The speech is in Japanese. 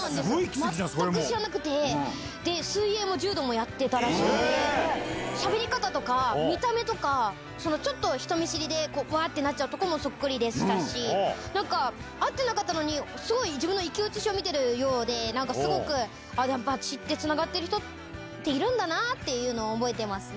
全く知らなくて、水泳も柔道もやってたらしくて、しゃべり方とか、見た目とか、ちょっと人見知りで、わーってなっちゃうところもそっくりでしたし、なんか、会ってなかったのに、すごい自分の生き写しを見てるようで、なんかすごくやっぱ血ってつながってる人っているんだなっていうのを覚えてますね。